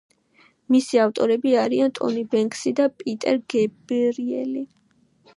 მისი ავტორები არიან ტონი ბენქსი და პიტერ გებრიელი.